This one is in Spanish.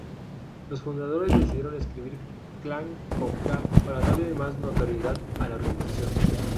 Los fundadores decidieron escribir clan con K para darle más notoriedad a la organización.